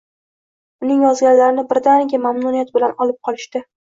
Uning yozganlarini birdaniga, mamnuniyat bilan olib qolishdi